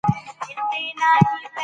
ټلويزيون د معلوماتو وسيله ده.